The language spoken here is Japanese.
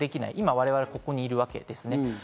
我々はここにいるわけです。